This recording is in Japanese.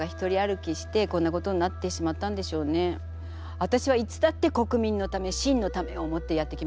わたしはいつだって国民のため清のためを思ってやってきましたよ。